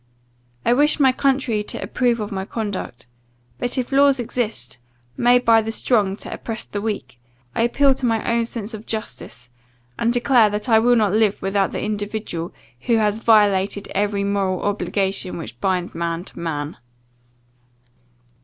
I wish my country to approve of my conduct; but, if laws exist, made by the strong to oppress the weak, I appeal to my own sense of justice, and declare that I will not live with the individual, who has violated every moral obligation which binds man to man.